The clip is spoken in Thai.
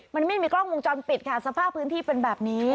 มันไม่มีกล้องวงจรปิดค่ะสภาพพื้นที่เป็นแบบนี้